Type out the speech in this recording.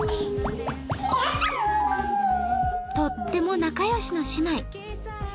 とっても仲良しの姉妹。